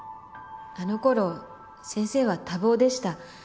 あのころ先生は多忙でした。